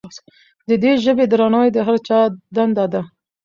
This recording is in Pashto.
د دې ژبې درناوی د هر چا دنده ده.